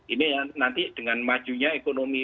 ini nanti dengan majunya ekonomi